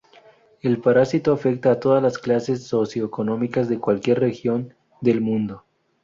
El parásito afecta a todas las clases socioeconómicas de cualquier región del mundo.